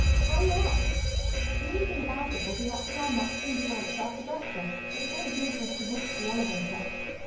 Hurry up. The only thing about it will be that climb up three flights after breakfast, but it won't do for us to risk the elevator.